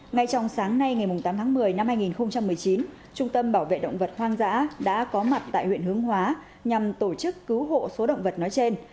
ngay trong sáng nay ngày tám tháng một mươi năm hai nghìn một mươi chín trung tâm bảo vệ động vật hoang dã đã có mặt tại huyện hướng hóa nhằm tổ chức cứu hộ số động vật nói trên